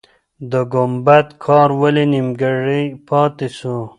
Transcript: د ګمبد کار ولې نیمګړی پاتې سو؟